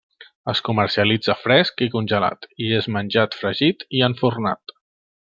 Es comercialitza fresc i congelat i és menjat fregit i enfornat.